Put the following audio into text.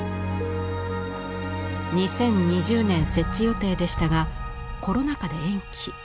２０２０年設置予定でしたがコロナ禍で延期。